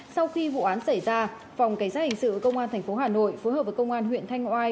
sau khi vụ án xảy ra phòng cảnh sát hình sự công an tp hà nội phối hợp với công an huyện thanh oai